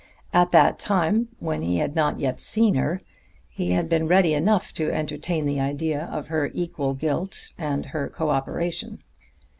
At that time, when he had not yet seen her, he had been ready enough to entertain the idea of her equal guilt and her coöperation.